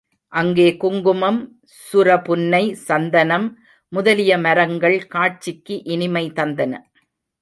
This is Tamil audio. அங்கே குங்குமம், சுரபுன்னை, சந்தனம் முதலிய மரங்கள் காட்சிக்கு இனிமை தந்தன.